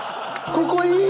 「ここいい！」